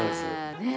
ねえ。